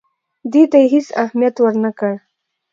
دې ته یې هېڅ اهمیت ورنه کړ.